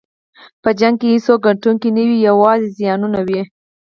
په جنګ کې هېڅوک ګټونکی نه وي، یوازې زیانونه وي.